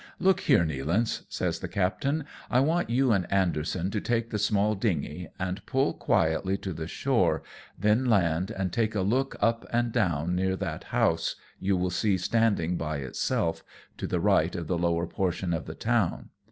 " Look here, Nealance/' says the captain, " I want you and Anderson to take the small dingey and pull quietly to the shore, then land and take a look up and down, near that house you will see standing by itself, to the right of the lower portion of the town.